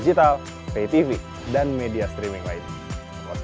jodul fitri itu melempar berkat buat semua orang